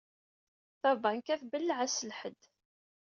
Tabanka tbelleɛ ass n lḥedd.